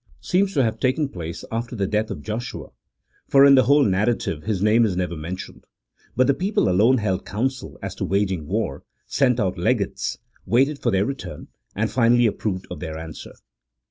seems to have taken place after the death of Joshua, for in the whole narrative his name is never mentioned, but the people alone held council as to waging war, sent out legates, waited for their return, and finally approved of their answer.